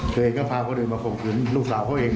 เคยก็พาคนอื่นมาคงคืนลูกสาวเขาเอง